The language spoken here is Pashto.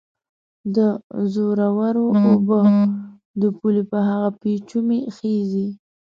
د زورورو اوبه د پولې په هغه پېچومي خېژي